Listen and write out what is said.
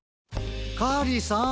カーリーさん！